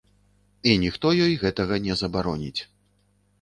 І ніхто ёй гэтага не забароніць.